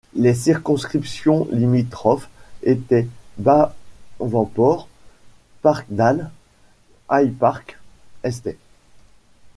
Les circonscriptions limitrophes étaient Davenport, Parkdale—High Park, St.